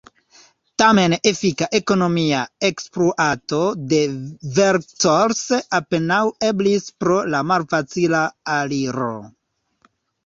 Tamen efika ekonomia ekspluato de Vercors apenaŭ eblis pro la malfacila aliro.